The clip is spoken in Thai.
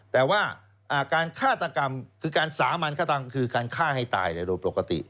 แต่ว่าการฆ่าตกรรมคือการสามัญคือการฆ่าให้ตายเลยโดยปกติ